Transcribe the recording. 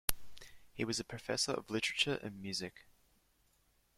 He was professor of literature and music.